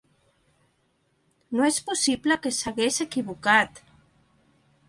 No és possible que s'hagués equivocat.